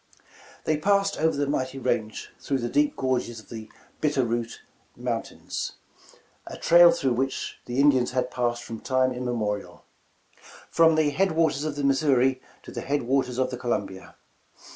They passed over the mighty range through the deep gorges of the Bitterroot Mountains, a trail through which the Indians had passed from time immemorial, from the head waters of the Missouri to the head wa tei*s of the Columbia.